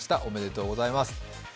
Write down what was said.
おめでとうございます。